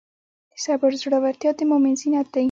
د صبر زړورتیا د مؤمن زینت دی.